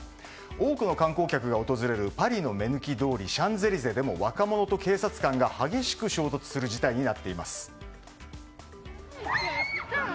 多くの観光客が訪れるパリの目抜き通りシャンゼリゼ通りでも若者と警察官が激しく衝突する事態になっています。